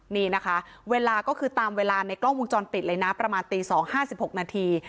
นี่นะคะเวลาก็คือตามเวลาในกล้องวงจรปิดเลยนะประมาณตี๒๕๖นาที